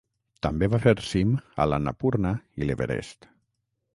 També va fer cim a l'Annapurna i l'Everest.